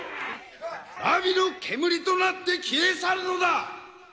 ・荼毘の煙となって消え去るのだ！